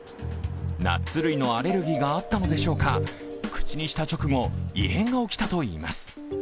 ナッツ類のアレルギーがあったのでしょうか、口にした直後、異変が起きたといいます。